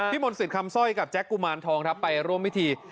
พี่มนต์สิทธิ์คำสร้อยกับแจ็คกุมารทองไปร่วมพิธี